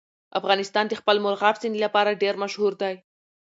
افغانستان د خپل مورغاب سیند لپاره ډېر مشهور دی.